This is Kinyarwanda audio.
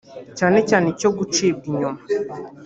cyane cyane icyo gucibwa inyuma